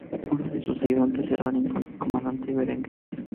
Uno de sus ayudantes será el entonces comandante Berenguer.